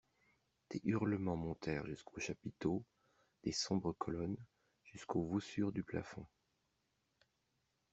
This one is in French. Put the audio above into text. Des hurlements montèrent jusqu'aux chapiteaux des sombres colonnes, jusqu'aux voussures du plafond.